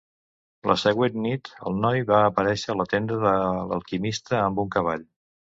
La següent nit, el noi va aparèixer a la tenda de l'alquimista amb un cavall.